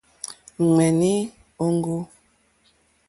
Ŋmèní òŋɡô.